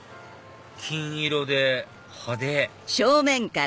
金色で派手！